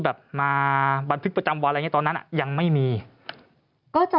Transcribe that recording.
แบบมาบรรพฤษประจำวันอะไรเนี้ยตอนนั้นอะยังไม่มีก็จะ